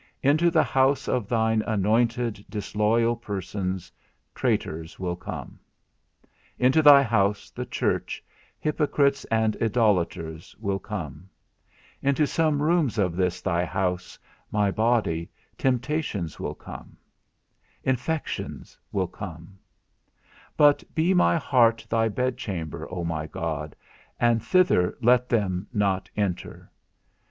Into the house of thine anointed, disloyal persons, traitors, will come; into thy house, the church, hypocrites and idolators will come; into some rooms of this thy house, my body, temptations will come, infections will come; but be my heart thy bedchamber, O my God, and thither let them not enter.